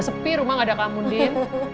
sepi rumah gak ada kamu din